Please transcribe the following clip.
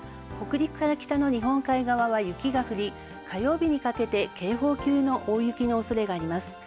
北陸から北の日本海側は、雪が降り火曜日にかけて警報級の大雪となる恐れがあります。